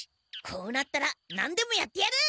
こうなったらなんでもやってやる！